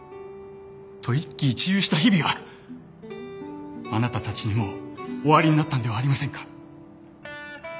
と一喜一憂した日々があなたたちにもおありになったんではありませんか？